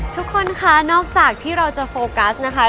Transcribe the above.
ทุกคนค่ะนอกจากที่เราจะโฟกัสนะคะ